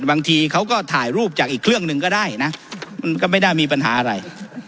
บางทีเขาก็ถ่ายรูปจากอีกเครื่องหนึ่งก็ได้นะมันก็ไม่ได้มีปัญหาอะไร